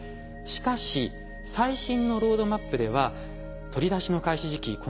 しかし最新のロードマップでは取り出しの開始時期